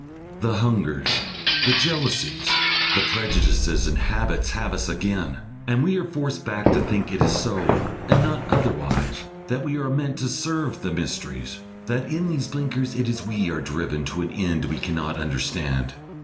The hungers, the jealousies, the prejudices and habits have us again, and we are forced back to think that it is so, and not otherwise, that we are meant to serve the mysteries; that in these blinkers it is we are driven to an end we cannot understand.